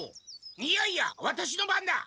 いやいやワタシの番だ！